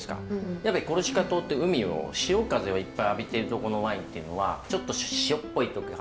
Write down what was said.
やっぱりコルシカ島って海を潮風をいっぱい浴びてるとこのワインっていうのはちょっと塩っぽい時が。